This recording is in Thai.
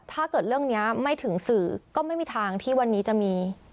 ถ้าเกิดเรื่องนี้ไม่ถึงสื่อก็ไม่มีทางที่วันนี้จะมี